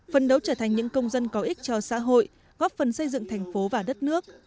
phân đấu trở thành những công dân có ích cho xã hội góp phần xây dựng thành phố và đất nước